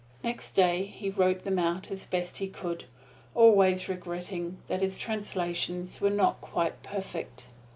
Next day he wrote them out as best he could, always regretting that his translations were not quite perfect.